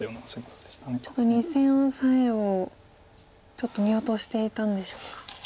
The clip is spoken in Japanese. ２線オサエをちょっと見落としていたんでしょうか。